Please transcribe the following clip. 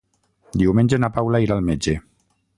Diumenge na Paula irà al metge.